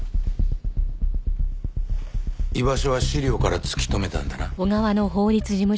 居場所は資料から突き止めたんだな。